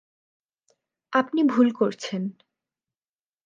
আপনি ভুল করছেন।